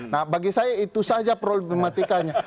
nah bagi saya itu saja problematikanya